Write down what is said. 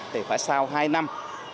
thì phải sau hai năm